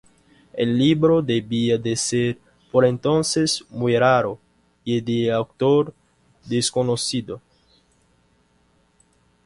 El libro debía de ser por entonces muy raro, y de autor desconocido.